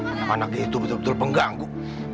anak anak itu betul betul pengganggu